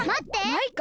マイカ？